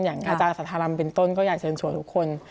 อย่างจารย์สภารรันดุ์เป็นต้นก็อย่าเชิญส่วนทุกคน